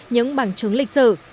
những bằng chứng lịch sử